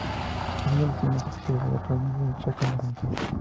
Es uno de los idiomas oficiales de la provincia del Chaco en Argentina.